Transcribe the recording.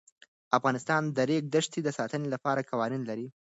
افغانستان د د ریګ دښتې د ساتنې لپاره قوانین لري.